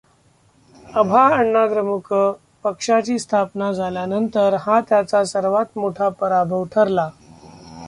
अभाअण्णाद्रमुक पक्षाची स्थापना झाल्यानंतर हा त्याचा सर्वात मोठा पराभव ठरला.